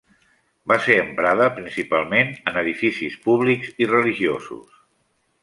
Va ser emprada principalment en edificis públics i religiosos.